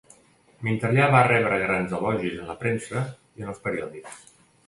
Mentre allà va rebre grans elogis en la premsa i en els periòdics.